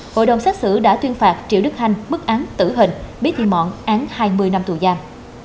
hội đồng xác xử đã tuyên phạt triệu đức hành bức án tử hình bé thị mọn án hai mươi năm tù giam